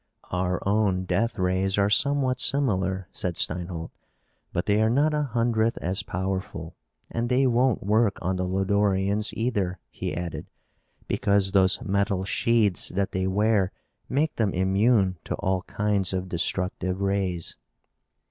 "Our own death rays are somewhat similar," said Steinholt, "but they are not a hundredth as powerful. And they won't work on the Lodorians, either," he added, "because those metal sheaths that they wear make them immune to all kinds of destructive rays."